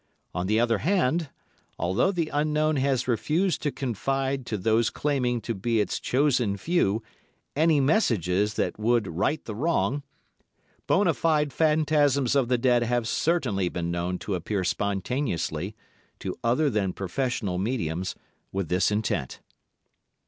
On the other hand, although the Unknown has refused to confide to those claiming to be its chosen few any messages that would right the wrong, bona fide phantasms of the dead have certainly been known to appear spontaneously, to other than professional mediums, with this intent.